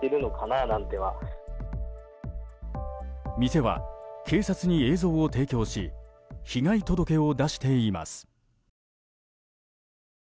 店は、警察に映像を提供し被害届を出しています。